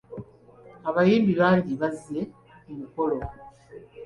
Abayimbi bangi bazze ku mukolo.